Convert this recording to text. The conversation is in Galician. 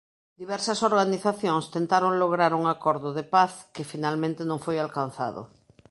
Diversas organizacións tentaron lograr un acordo de paz que finalmente non foi alcanzado.